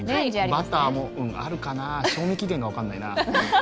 バターも、うんあるかな賞味期限が分かんねえな。